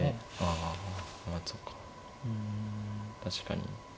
あ確かに。